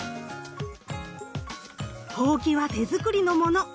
ほうきは手作りのもの！